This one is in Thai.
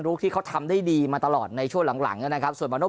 ลูกที่เขาทำได้ดีมาตลอดในช่วงหลังหลังนะครับส่วนมานพ